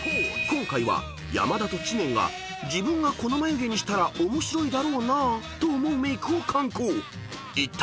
［今回は山田と知念が自分がこの眉毛にしたら面白いだろうなと思うメークを敢行］